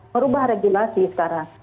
merubah regulasi sekarang